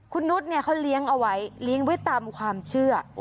คุณนุษย์เนี่ยเขาเลี้ยงเอาไว้เลี้ยงไว้ตามความเชื่อ